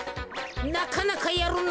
なかなかやるな。